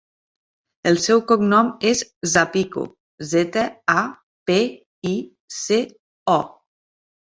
El seu cognom és Zapico: zeta, a, pe, i, ce, o.